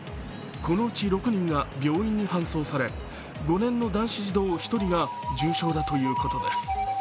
このうち６人が病院に搬送され５年の男子児童１人が重症だということです。